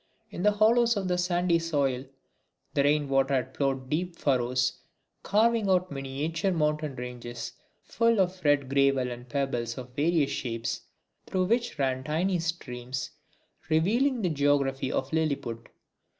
In the hollows of the sandy soil the rainwater had ploughed deep furrows, carving out miniature mountain ranges full of red gravel and pebbles of various shapes through which ran tiny streams, revealing the geography of Lilliput.